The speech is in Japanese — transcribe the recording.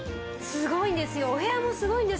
すごいんですよ。